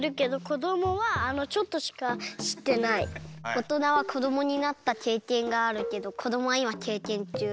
おとなはこどもになったけいけんがあるけどこどもはいまけいけんちゅう。